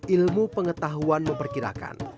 ilmu pengetahuan memperkirakan